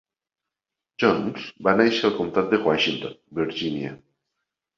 Jones va néixer al comtat de Washington, Virgínia.